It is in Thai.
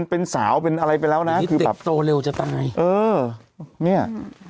เป็นสาวเป็นอะไรไปแล้วนะนี่คือแบบโตเร็วจะตายเออเนี่ย